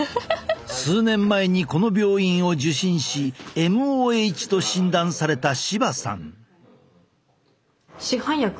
数年前にこの病院を受診しＭＯＨと診断された柴さん。